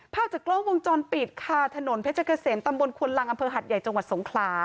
ภาพจากกล้องวงจรปิดค่าถนนเพชรเกษียณ